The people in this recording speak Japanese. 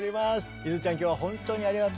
ゆづちゃん今日は本当にありがとう。